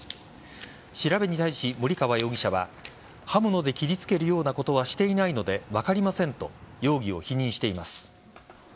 調べに対し、森川容疑者は刃物で切りつけるようなことはしていないので分かりませんと容疑を否認しています。